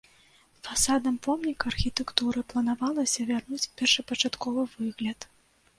Фасадам помніка архітэктуры планавалася вярнуць першапачатковы выгляд.